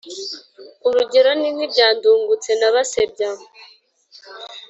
urugero ni nk' ibya ndungutse na basebya